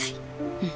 うん。